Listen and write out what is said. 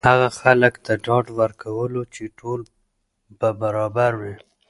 هغه خلکو ته ډاډ ورکولو چې ټول به برابر وي.